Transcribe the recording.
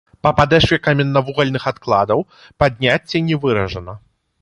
Па падэшве каменнавугальных адкладаў падняцце не выражана.